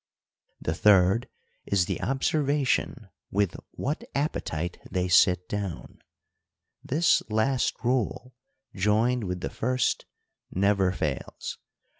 The third is the observation with what appetite they sit down. This last rule, joined with the first. 60 THE COUNTRY PARSON. never fails.